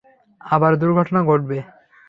আবার দূর্ঘটনা ঘটবে?